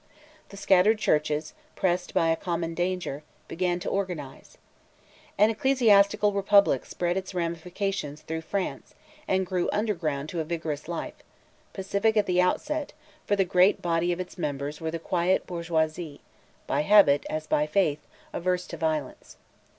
The scattered churches, pressed by a common danger, began to organize. An ecclesiastical republic spread its ramifications through France, and grew underground to a vigorous life, pacific at the outset, for the great body of its members were the quiet bourgeoisie, by habit, as by faith, averse to violence.